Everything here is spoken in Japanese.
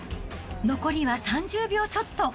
残りは３０秒ちょっと。